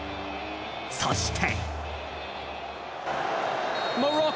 そして。